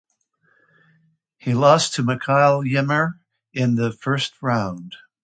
He lost to Mikael Ymer in the first round.